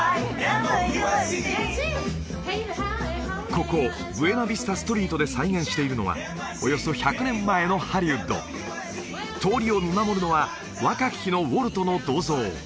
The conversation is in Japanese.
ここブエナビスタ・ストリートで再現しているのはおよそ１００年前のハリウッド通りを見守るのは若き日のウォルトの銅像